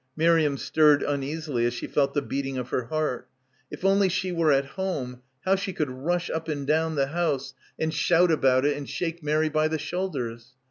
... Mir iam stirred uneasily as she felt the beating of her heart. ... If only she were at home how she could rush up and down the house and shout about it and shake Mary by the shoulders.